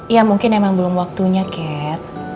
ya mungkin emang belum waktunya cat